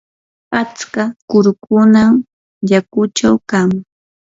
atska kurukunam yakuchaw kan.